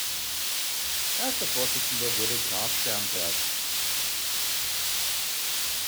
Erster Vorsitzender wurde Graf Sternberg.